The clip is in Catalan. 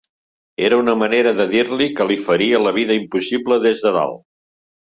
Era una manera de dir-li que li faria la vida impossible des de dalt.